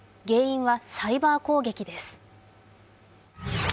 原因はサイバー攻撃です。